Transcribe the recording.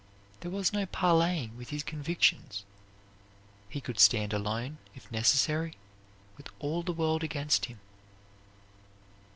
There was no parleying with his convictions. He could stand alone, if necessary, with all the world against him.